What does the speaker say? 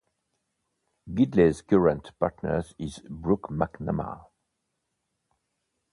Gidley's current partner is Brooke McNamara.